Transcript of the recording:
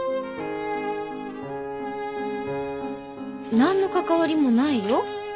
何の関わりもないよ。